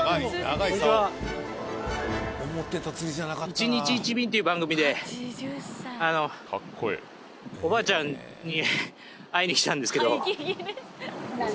『１日１便』っていう番組であのおばあちゃんに会いに来たんですけど。